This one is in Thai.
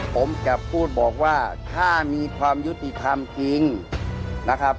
ผมจะพูดบอกว่าถ้ามีความยุติธรรมจริงนะครับ